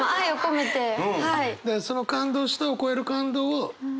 その「感動した」を超える感動を伝える言葉